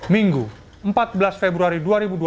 minggu empat belas februari dua ribu dua puluh